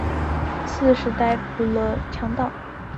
刺史尹耀逮捕了强盗。